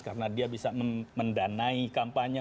karena dia bisa mendanai kampanye